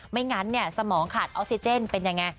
ไม่งั้นสมองขาดออกซิเจนเป็นยังไง